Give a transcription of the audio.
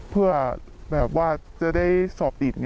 เพื่อจะได้สอบติด